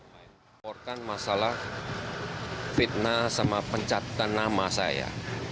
saya laporkan masalah fitnah sama pencatatan nama saya